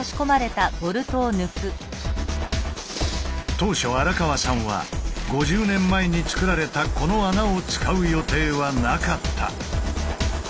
当初荒川さんは５０年前につくられたこの穴を使う予定はなかった。